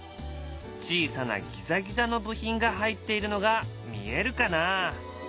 小さなギザギザの部品が入っているのが見えるかな？